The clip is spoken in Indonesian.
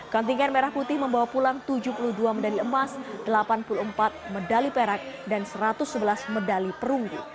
kontingen merah putih membawa pulang tujuh puluh dua medali emas delapan puluh empat medali perak dan satu ratus sebelas medali perunggu